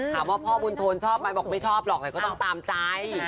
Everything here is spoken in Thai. พ่อบุญโทนชอบไหมบอกไม่ชอบหรอกแต่ก็ต้องตามใจ